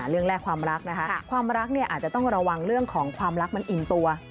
เรื่องแรกความรักนะคะความรักเนี่ยอาจจะต้องระวังเรื่องของความรักมันอิ่มตัว